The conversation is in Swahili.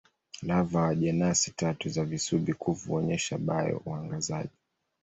Lava wa jenasi tatu za visubi-kuvu huonyesha bio-uangazaji.